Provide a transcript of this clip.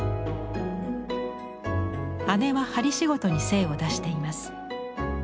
姉は針仕事に精を出しています。